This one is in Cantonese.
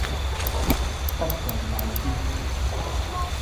不共戴天